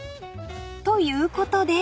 ということで］